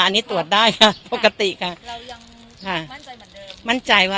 อันนี้ตรวจได้ค่ะปกติค่ะเรายังค่ะมั่นใจเหมือนเดิมมั่นใจว่า